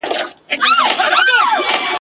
له یوې خوني تر بلي پوری تلله ..